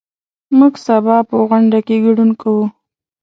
موږ سبا په غونډه کې ګډون کوو.